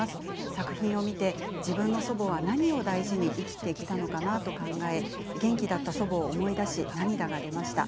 作品を見て自分の祖母は何を大事に生きてきたのかなと考え元気だった祖母を思い出し涙が出ました。